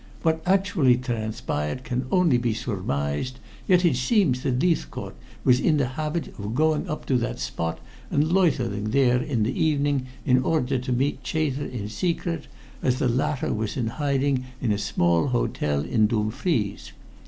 What actually transpired can only be surmised, yet it seems that Leithcourt was in the habit of going up to that spot and loitering there in the evening in order to meet Chater in secret, as the latter was in hiding in a small hotel in Dumfries.